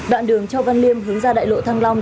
đoạn đường châu văn liêm hướng ra đại lộ thăng long